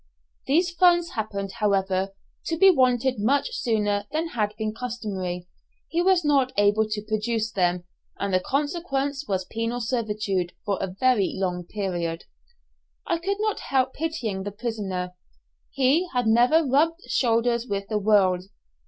These funds happened, however, to be wanted much sooner than had been customary, he was not able to produce them, and the consequence was penal servitude for a very long period. I could not help pitying the prisoner. He had never rubbed shoulders with the world.